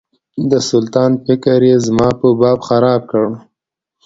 د سلطان فکر یې زما په باب خراب کړ.